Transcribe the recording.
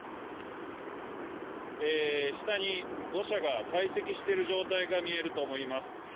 下に土砂が堆積している状態が見えると思います。